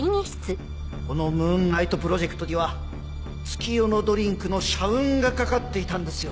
このムーンナイトプロジェクトには月夜野ドリンクの社運が懸かっていたんですよ。